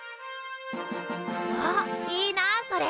わっいいなそれ。